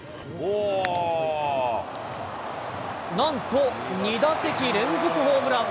なんと２打席連続ホームラン。